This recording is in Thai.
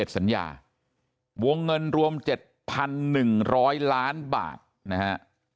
สัญญาวงเงินรวม๗๑๐๐ล้านบาทนะฮะ